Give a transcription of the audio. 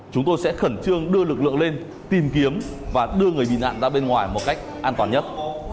chúng tôi sẽ khẩn trương đưa lực lượng lên tìm kiếm và đưa người bị nạn ra bên ngoài một cách an toàn nhất